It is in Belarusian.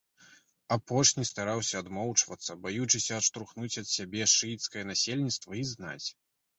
Апошні стараўся адмоўчвацца, баючыся адштурхнуць ад сябе шыіцкае насельніцтва і знаць.